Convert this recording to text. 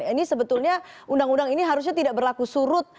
ini sebetulnya undang undang ini harusnya tidak berlaku surut